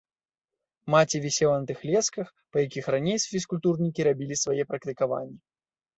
Маці вісела на тых лесках, па якіх раней фізкультурнікі рабілі свае практыкаванні.